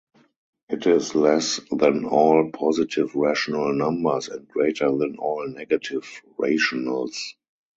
It is less than all positive rational numbers, and greater than all negative rationals.